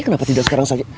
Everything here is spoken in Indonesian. kenapa tidak sekarang saja